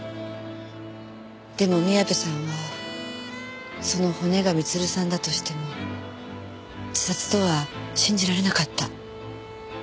でも宮部さんはその骨が光留さんだとしても自殺とは信じられなかった。